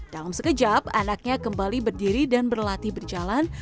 dalam sekejap anaknya kembali berdiri dan berlatih berjalan